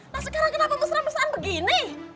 nah sekarang kenapa mesra mesraan begini